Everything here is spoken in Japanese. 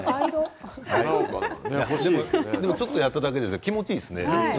ちょっとやっただけでも気持ちがいいですね。